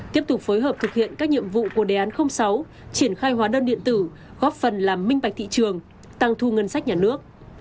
tiếp tục phối hợp thực hiện các nhiệm vụ của đề án sáu triển khai hóa đơn điện tử góp phần làm minh bạch thị trường tăng thu ngân sách nhà nước